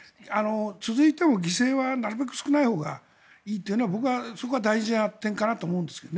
続いても犠牲はなるべく少ないほうがいいというのは僕は、そこは大事な点かなと思うんですけどね。